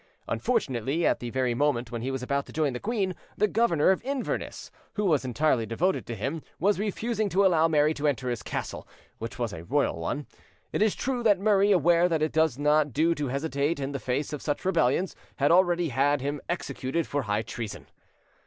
Unfortunately, at the very moment when he was about to join the queen, the governor of Inverness, who was entirely devoted to him, was refusing to allow Mary to enter this castle, which was a royal one. It is true that Murray, aware that it does not do to hesitate in the face of such rebellions, had already had him executed for high treason.